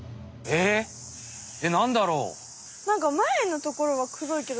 えっなんだろう？